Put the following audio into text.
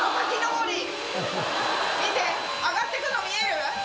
見て上がっていくの見える？